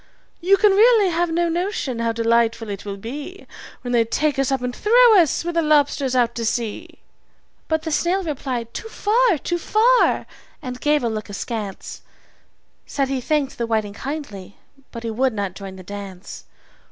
"You can really have no notion how delightful it will be When they take us up and throw us, with the lobsters, out to sea!" But the snail replied "Too far, too far!" and gave a look askance Said he thanked the whiting kindly, but he would not join the dance.